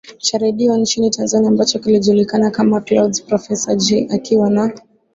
cha redio nchini Tanzania ambacho kilijulikana kama ni Clouds Profesa Jay akiwa na